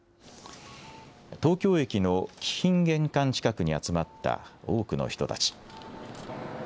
東京駅の貴賓玄関近くに集まった多くの人たち。